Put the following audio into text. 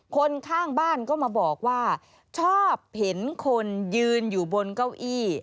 คนข้างบ้านก็มาบอกว่าชอบเห็นคนยืนอยู่บนเก้าอี้